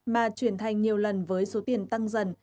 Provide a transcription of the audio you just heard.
mà chuyển thành nhiều lần với số tiền tăng dần